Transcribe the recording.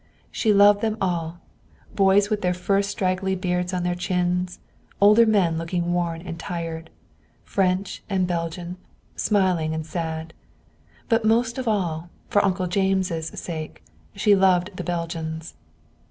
She loved them all boys with their first straggly beards on their chins; older men, looking worn and tired; French and Belgian; smiling and sad. But most of all, for Uncle James' sake, she loved the Belgians.